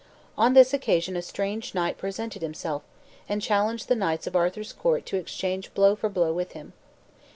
On this occasion a strange knight presented himself, and challenged the knights of Arthur's court to exchange blow for blow with him.